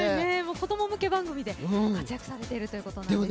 子供向け番組で活躍されているということなんです。